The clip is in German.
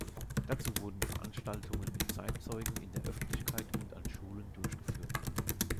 Dazu wurden Veranstaltungen mit Zeitzeugen in der Öffentlichkeit und an Schulen durchgeführt.